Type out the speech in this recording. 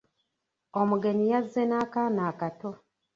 Omugenyi yazze na'kaana akato.